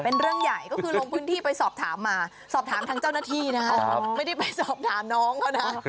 เป็นเรื่องใหญ่ก็คือลงพื้นที่ไปสอบถามมาสอบถามทางเจ้าหน้าที่นะคะไม่ได้ไปสอบถามน้องเขานะ